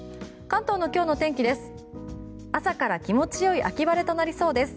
関東の今日の天気です。